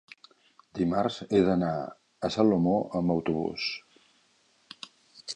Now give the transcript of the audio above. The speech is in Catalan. dimarts he d'anar a Salomó amb autobús.